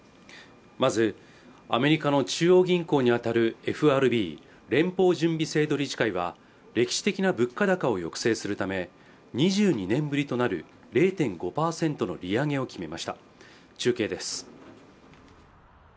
まずアメリカの中央銀行にあたるＦＲＢ＝連邦準備制度理事会は歴史的な物価高を抑制するため２２年ぶりとなる０．５％の利上げを決めました中継です